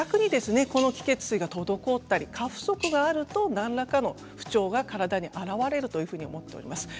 気・血・水が滞ったり過不足があると何らかの不調が体に現れるというふうにいっています。